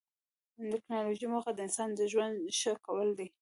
د ټکنالوجۍ موخه د انسان ژوند ښه کول دي.